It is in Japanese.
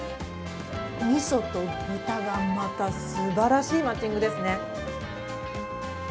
みそと豚がまたすばらしいマッチングですね。